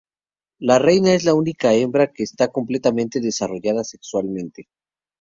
La reina es la única hembra que está completamente desarrollada sexualmente.